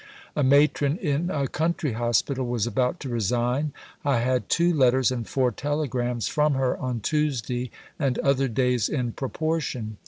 A matron in a country hospital was about to resign: "I had two letters and four telegrams from her on Tuesday and other days in proportion."